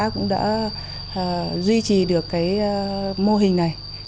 cũng đã duy trì được cái mô hình này